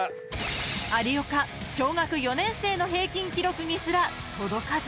［有岡小学４年生の平均記録にすら届かず］